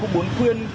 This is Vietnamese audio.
cũng muốn khuyên